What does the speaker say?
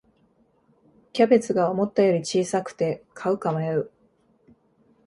キャベツが思ったより小さくて買うか迷う